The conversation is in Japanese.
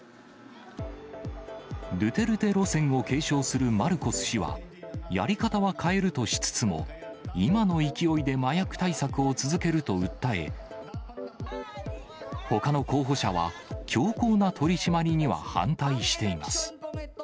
ドゥテルテ路線を継承するマルコス氏は、やり方は変えるとしつつも、今の勢いで麻薬対策を続けると訴え、ほかの候補者は強硬な取り締まりには反対しています。